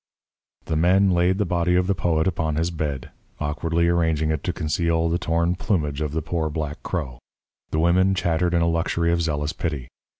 The men laid the body of the poet upon his bed, awkwardly arranging it to conceal the torn plumage of the poor black crow. The women chattered in a luxury of zealous pity.